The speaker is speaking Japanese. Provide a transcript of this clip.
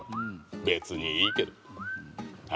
「別にいいけど」